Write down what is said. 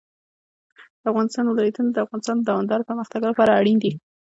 د افغانستان ولايتونه د افغانستان د دوامداره پرمختګ لپاره اړین دي.